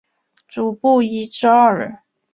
主薄一至二人。